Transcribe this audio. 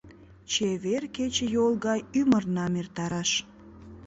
Чевер кечыйол гай ӱмырнам эртараш